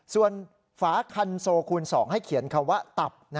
ส่วนฝาคันโซคูณ๒ให้เขียนคำว่าตับ